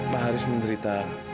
pak haris menderita